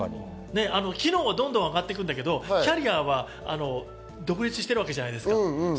機能は変わっていくけどキャリアは独立してるわけじゃないですか。